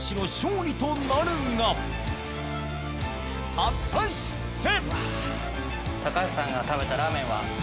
果たして！